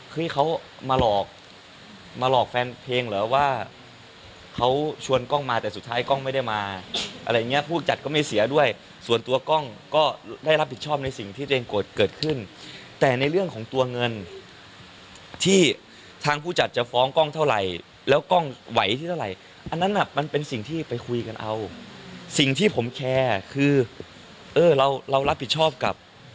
เขามาหลอกมาหลอกแฟนเพลงเหรอว่าเขาชวนกล้องมาแต่สุดท้ายกล้องไม่ได้มาอะไรอย่างเงี้ยผู้จัดก็ไม่เสียด้วยส่วนตัวกล้องก็ได้รับผิดชอบในสิ่งที่ตัวเองโกรธเกิดขึ้นแต่ในเรื่องของตัวเงินที่ทางผู้จัดจะฟ้องกล้องเท่าไหร่แล้วกล้องไหวที่เท่าไหร่อันนั้นน่ะมันเป็นสิ่งที่ไปคุยกันเอาสิ่งที่ผมแชร์คือเออเราเรารับผิดชอบกับ